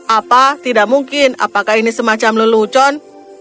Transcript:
apa tidak mungkin apakah ini semacam lelucon